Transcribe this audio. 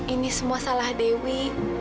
ini semua salah dewi